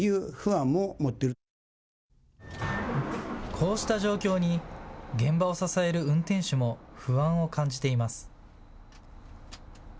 こうした状況に現場を支える運転手も不安を感じています。